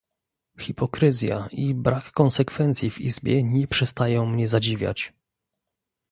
Hipokryzja i brak konsekwencji w Izbie nie przestają mnie zadziwiać